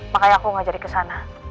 makanya aku gak jadi kesana